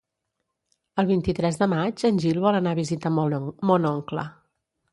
El vint-i-tres de maig en Gil vol anar a visitar mon oncle.